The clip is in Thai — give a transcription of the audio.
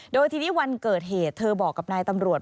โดยทีนี้วันเกิดเหตุเธอบอกกับนายตำรวจ